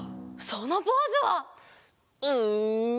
そのポーズは。うー。